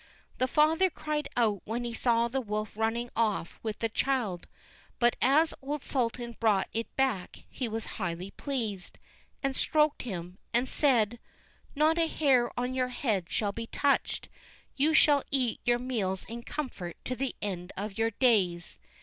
The father cried out when he saw the wolf running off with the child, but as old Sultan brought it back he was highly pleased, and stroked him, and said: "Not a hair of your head shall be touched; you shall eat your meals in comfort to the end of your days."